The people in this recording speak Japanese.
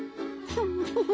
フフフフ。